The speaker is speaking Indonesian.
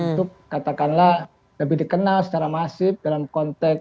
untuk katakanlah lebih dikenal secara masif dalam konteks